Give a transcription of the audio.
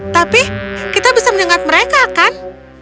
tapi kita bisa menyengat mereka kan